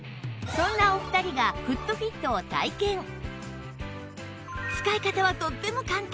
そんなお二人が使い方はとっても簡単